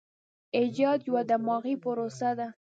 ایجاد یوه دماغي پروسه ده.